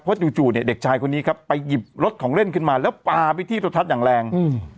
จู่จู่เนี่ยเด็กชายคนนี้ครับไปหยิบรถของเล่นขึ้นมาแล้วปลาไปที่โทรทัศน์อย่างแรงอืม